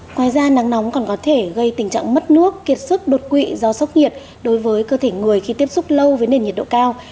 ngoài ra nắng nóng còn có thể gây tình trạng mất nước kiệt sức đột quỵ do sốc nhiệt đối với cơ thể người khi tiếp xúc lâu với nền nhiệt độ cao